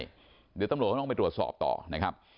เดี๋ยวตำรวจก็ต้องไปตรวจสอบต่อนะครับ